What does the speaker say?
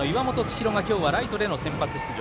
空が今日はライトでの先発出場。